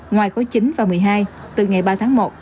ngoài khối chín và một mươi hai từ ngày ba tháng một